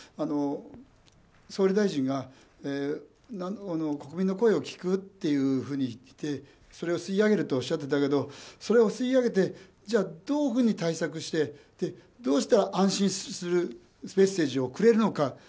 総理大臣が国民の声を聞くっていうふうに言ってそれを吸い上げるとおっしゃっていたけどそれを吸い上げて、じゃあどういうふうに対策してどうしたら安心するメッセージをくれるのか。